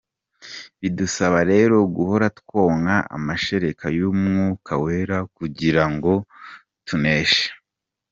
Bidusaba rero guhora twonka amashereka y’Umwuka wera kugira ngo tuneshe.